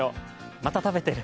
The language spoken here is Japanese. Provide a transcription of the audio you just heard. また食べてる？